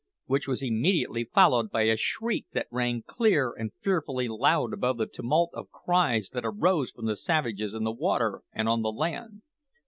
which was immediately followed by a shriek that rang clear and fearfully loud above the tumult of cries that arose from the savages in the water and on the land.